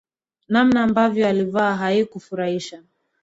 Namna ambavyo alivaa haikufurahisha.